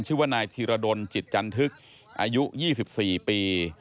ชื่อว่านายธีรดลจิตจันทึกอายุ๒๔ปี